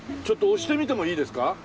ちょっと押してみてもいいですか？